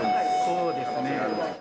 そうですね。